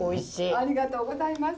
ありがとうございます。